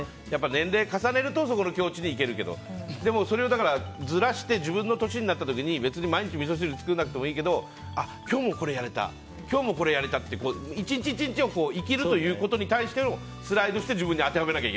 年齢を重ねるとそこの境地にいけるけどでも、それをずらして自分の年になった時に別に毎日みそ汁作らなくてもいいけど今日もこれやれた今日もこれやれたって１日１日を生きるということに対してスライドして自分に当てはめなきゃ